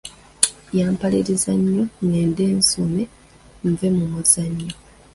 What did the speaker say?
Yampaliriza nnyo ng'ende nsome, nve mumuzannyo.